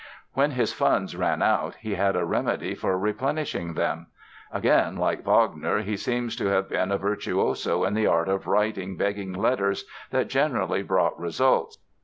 When his funds ran out he had a remedy for replenishing them. Again like Wagner, he seems to have been a virtuoso in the art of writing begging letters that generally brought results.